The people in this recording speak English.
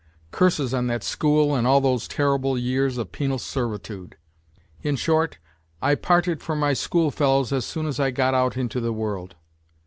Curses on that school and all those terrible years of penal servitude ! In short, I parted from my schoolfellows as soon as I got out into the world.